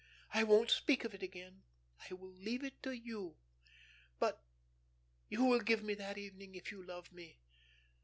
I won't speak of it again. I will leave it to you. But you will give me that evening if you love me.